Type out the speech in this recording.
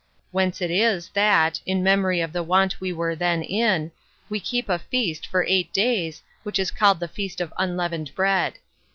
Whence it is that, in memory of the want we were then in, we keep a feast for eight days, which is called the feast of unleavened bread.